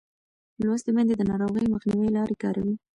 لوستې میندې د ناروغۍ مخنیوي لارې کاروي.